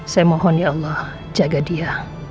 saya mohon ya allah jaga dia